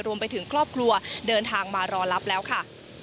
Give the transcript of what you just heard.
รวมไปถึงครอบครัวเดินทางมารอรับแล้วค่ะ